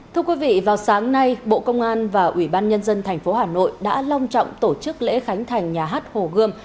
thưa quý vị vào sáng nay bộ công an và ủy ban nhân dân tp hà nội đã long trọng tổ chức lễ khánh thành nhà hát hồ gươm